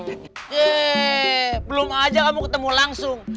yeay belum aja kamu ketemu langsung